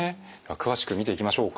詳しく見ていきましょうか。